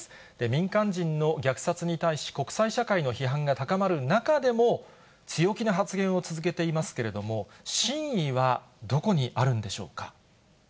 民間人の虐殺に対し、国際社会の批判が高まる中でも、強気な発言を続けていますけれども、真意はどこにあるんでしょうか。